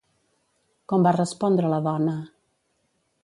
Com va respondre la dona?